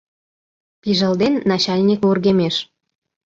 Пижылден начальник вургемеш.